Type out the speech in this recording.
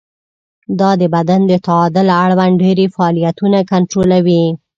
دا د بدن د تعادل اړوند ډېری فعالیتونه کنټرولوي.